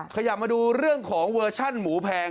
ขยับมาดูเรื่องของเวอร์ชั่นหมูแพง